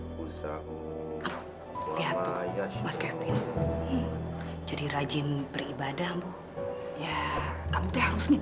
kututnya apa kabar